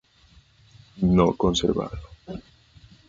No conservado.